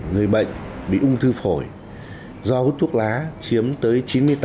người bệnh bị ung thư phổi do hút thuốc lá chiếm tới chín mươi tám